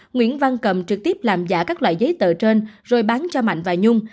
nguyễn văn cầm trực tiếp làm giả các loại giấy tờ trên rồi bán cho mạnh và nhung